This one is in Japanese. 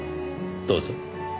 どうぞ。